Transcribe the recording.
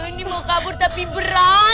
ini mau kabur tapi berat